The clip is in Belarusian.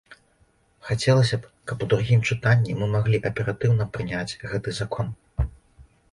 Хацелася б, каб у другім чытанні мы маглі аператыўна прыняць гэты закон.